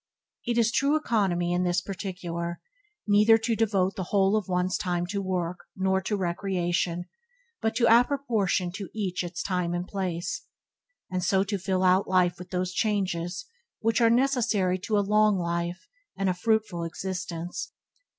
It is a true economy in this particular neither to devote the whole of one's time to work nor to recreation, but to apportion to each its time and place; and so fill out life with those changes which are necessary to a long life and a fruitful existence.